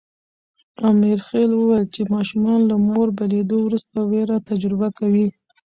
امرخېل وویل چې ماشومان له مور بېلېدو وروسته وېره تجربه کوي.